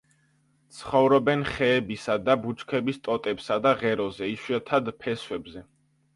ცხოვრობენ ხეებისა და ბუჩქების ტოტებსა და ღეროზე, იშვიათად ფესვებზე.